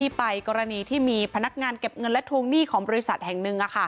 ไปกรณีที่มีพนักงานเก็บเงินและทวงหนี้ของบริษัทแห่งหนึ่ง